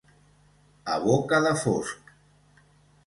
A boca de fosc.